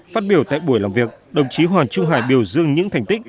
phát biểu tại buổi làm việc đồng chí hoàng trung hải biểu dương những thành tích